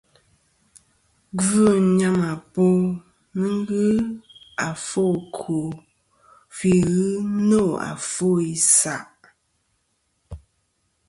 Gvɨ̂ nyàmàbo nɨn ghɨ àfo ɨkwo fî ghɨ nô àfo isaʼ.